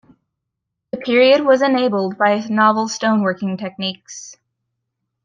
The period was enabled by novel stone working techniques.